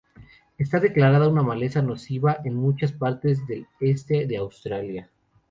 Está declarada una maleza nociva en muchas partes del este de Australia.